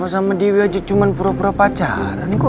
sama dewi aja cuma pura pura pacaran kok